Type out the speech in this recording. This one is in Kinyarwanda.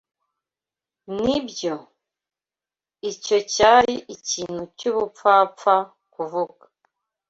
Nibyo, icyo cyari ikintu cyubupfapfa kuvuga.